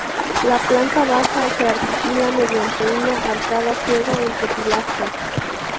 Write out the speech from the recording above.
La planta baja se articula mediante una arcada ciega entre pilastras.